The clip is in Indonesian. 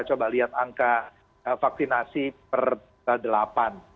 coba lihat angka vaksinasi per delapan